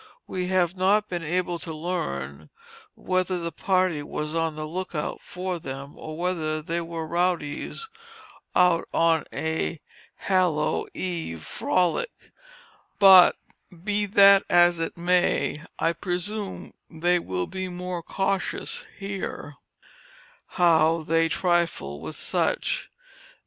We have not been able to learn, whether the party was on the look out for them, or whether they were rowdies out on a Hallow eve frolic; but be it which it may, I presume they will be more cautious here how they trifle with such.